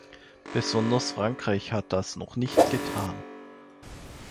Besonders Frankreich hat das noch nicht getan.